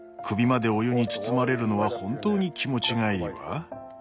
首までお湯に包まれるのは本当に気持ちがいいわ。